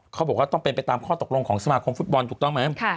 เขาบอกว่าต้องเป็นไปตามข้อตกลงของสมาคมฟุตบอลถูกต้องไหม